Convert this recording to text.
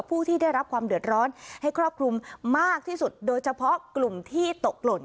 ผู้ที่ได้รับความเดือดร้อนให้ครอบคลุมมากที่สุดโดยเฉพาะกลุ่มที่ตกหล่น